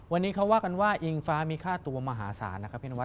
วันนี้เขาว่ากันว่าอิงฟ้ามีค่าตัวมหาศาล